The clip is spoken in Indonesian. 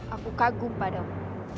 aku kagum padamu